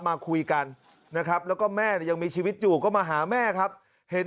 มาคุยกันนะครับแล้วก็แม่เนี่ยยังมีชีวิตอยู่ก็มาหาแม่ครับเห็น